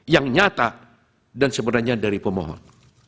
yang nyata dan sebenarnya dari pemohon